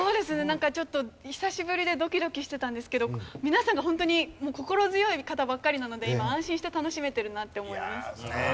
なんかちょっと久しぶりでドキドキしてたんですけど皆さんがホントに心強い方ばっかりなので今安心して楽しめてるなって思います。